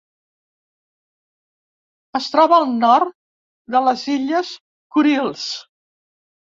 Es troba al nord de les illes Kurils.